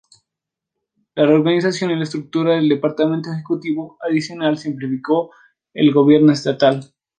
La reorganización y estructura del departamento ejecutivo adicional simplificó el gobierno estatal.